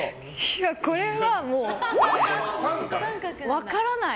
これは、もう分からない。